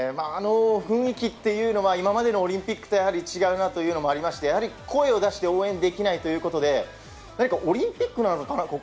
あの雰囲気というのは今までのオリンピックとは違うなというのもありまして、声を出して応援できないということで、オリンピックなのかな？